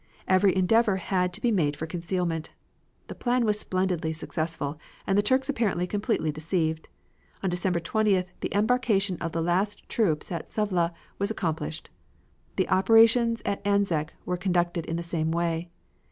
Every endeavor had to be made for concealment. The plan was splendidly successful, and the Turks apparently completely deceived. On December 20th the embarkation of the last troops at Suvla was accomplished. The operations at Anzac were conducted in the same way.